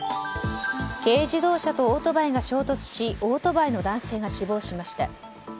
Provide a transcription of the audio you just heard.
軽自動車とオートバイが衝突しオートバイの男性が死亡しました。